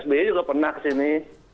sbi juga pernah ke sini